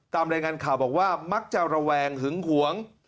ตามรายงานข่าวบอกว่ามักจะระแวงหึงหวง